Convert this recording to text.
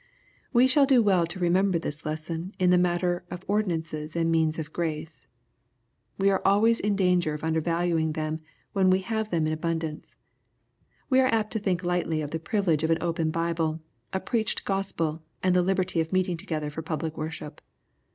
We shall do well to remember this lesson in the mat ter of ordinances and means of grace. We are always iu danger of undervaluing them, when we have them in abundance. We are apt to think lightly of the privilege of an open Bible, a preacbed^ospel, and the liberty of meeting together for public worship.